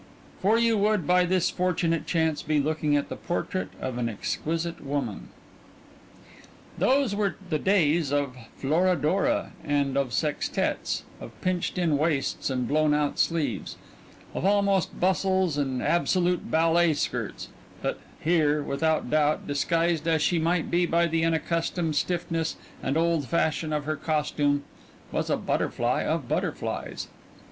For you would, by this fortunate chance, be looking at the portrait of an exquisite woman. Those were the days of "Florodora" and of sextets, of pinched in waists and blown out sleeves, of almost bustles and absolute ballet skirts, but here, without doubt, disguised as she might be by the unaccustomed stiffness and old fashion of her costume, was a butterfly of butterflies.